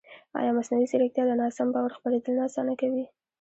ایا مصنوعي ځیرکتیا د ناسم باور خپرېدل نه اسانه کوي؟